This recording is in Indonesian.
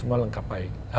semua lengkap baik